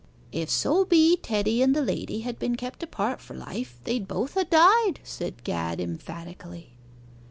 'If so be Teddy and the lady had been kept apart for life, they'd both ha' died,' said Gad emphatically.